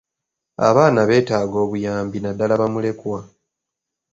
Abaana beetaaga obuyambi naddaala bamulekwa.